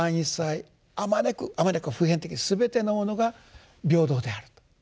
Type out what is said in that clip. あまねくあまねく普遍的すべてのものが平等である。